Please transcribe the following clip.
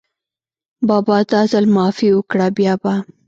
بابا دا ځل معافي وکړه، بیا به …